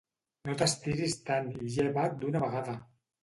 No t'estiris tant i lleva't d'una vegada!